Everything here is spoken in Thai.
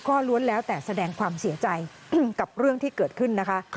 ก็ล้วนแล้วแต่แสดงความเสียใจกับเรื่องที่เกิดขึ้นนะคะ